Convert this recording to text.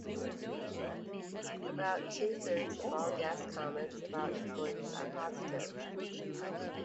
About two thirds of all guest comments about employees are positive.